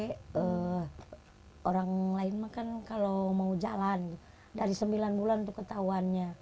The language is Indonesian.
tapi orang lain mah kan kalau mau jalan dari sembilan bulan tuh ketahuannya